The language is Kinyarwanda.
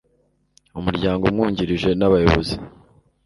w umuryango umwungirije n abayobozi